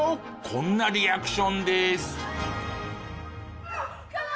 こんなリアクションです。